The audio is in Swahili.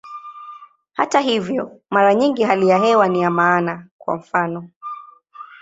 Hata hivyo, mara nyingi hali ya hewa ni ya maana, kwa mfano.